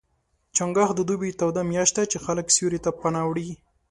چنګاښ د دوبي توده میاشت ده، چې خلک سیوري ته پناه وړي.